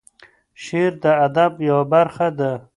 شعر د ادب یوه برخه ده.